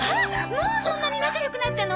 もうそんなに仲良くなったの？